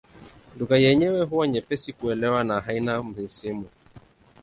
Lugha yenyewe huwa nyepesi kuelewa na haina misimu.